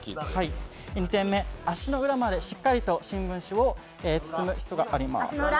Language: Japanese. ２点目、足の裏までしっかりと新聞紙で包む必要があります。